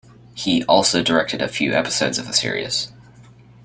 He also directed a few episodes of the series.